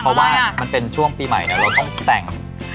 เพราะว่ามันเป็นช่วงปีใหม่เราต้องแต่ง